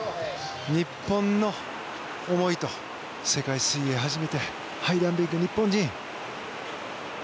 日本の思いと、世界水泳初めてハイダイビング、日本人。